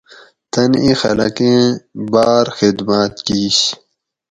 تن اِیں خلکیں باۤر خِدماۤت کِیش